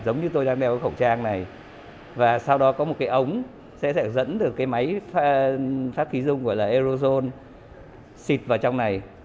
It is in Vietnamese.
giống như tôi đang đeo khẩu trang này và sau đó có một cái ống sẽ dẫn được cái máy phát khí dung gọi là eurozone xịt vào trong này